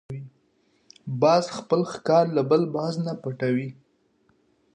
باز خپل ښکار له بل باز نه پټوي